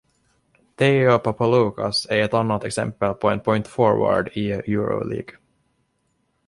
Theo Papaloukas är ett annat exempel på en point forward i Euroleague.